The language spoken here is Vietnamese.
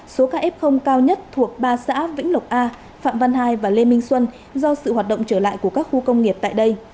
số ca f cao nhất thuộc ba xã vĩnh lộc a phạm văn hai và lê minh xuân do sự hoạt động trở lại của các khu công nghiệp tại đây